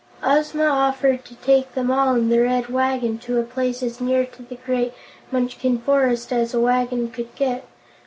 Ozma offered to take them all in the Red Wagon to a place as near to the great Munchkin forest as a wagon could get.